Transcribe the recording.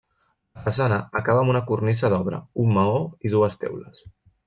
La façana acaba amb una cornisa d'obra, un maó i dues teules.